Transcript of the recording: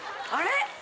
あれ！？